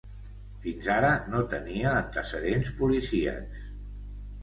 Fins ara no tenia antecedents policíacs.